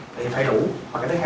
thì phải đủ và cái thứ hai